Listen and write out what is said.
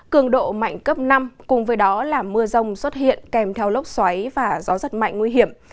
cường độ mạnh cấp năm cùng với đó là mưa rông xuất hiện kèm theo lốc xoáy và gió giật mạnh nguy hiểm